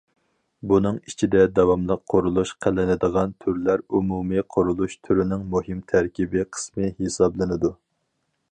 بۇنىڭ ئىچىدە، داۋاملىق قۇرۇلۇش قىلىنىدىغان تۈرلەر ئومۇمىي قۇرۇلۇش تۈرىنىڭ مۇھىم تەركىبىي قىسمى ھېسابلىنىدۇ.